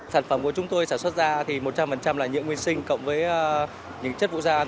sản phẩm của chúng tôi sản xuất da thì một trăm linh là nhiễu nguyên sinh cộng với những chất vụ da an